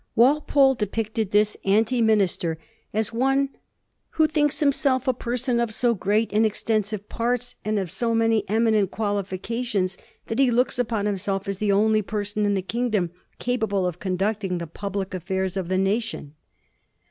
Walpole depicted this anti minister as one ^^who thinks himself a pei*son of so great and exten sive parts,' and of so many eminent qualifications, that he looks upon himself as the only person in the kingdom capable of conducting the public affairs of the nation."